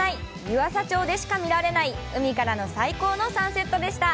湯浅町でしか見られない海からの最高のサンセットでした！